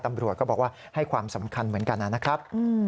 ตำรวจก็บอกว่าให้ความสำคัญเหมือนกันนะครับ